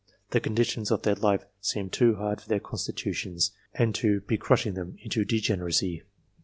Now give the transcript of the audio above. The conditions of their life seem too hard for their constitutions, and to be crushing them into degeneracy.